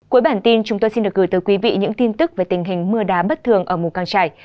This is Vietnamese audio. cuối bản tin chúng tôi xin được gửi tới quý vị những tin tức về tình hình mưa đá bất thường ở mù căng trải